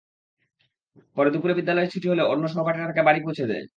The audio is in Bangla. পরে দুপুরে বিদ্যালয় ছুটি হলে অন্য সহপাঠীরা তাকে বাড়ি পৌঁছে দেয়।